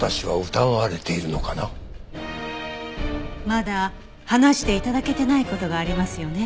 まだ話して頂けてない事がありますよね？